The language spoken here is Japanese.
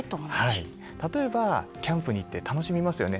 例えば、キャンプに行って楽しみますよね